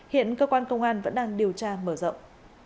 hiện cơ quan công an vẫn đang điều tra mở rộng